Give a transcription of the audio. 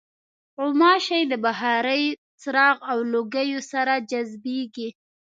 غوماشې د بخارۍ، څراغ او لوګیو سره جذبېږي.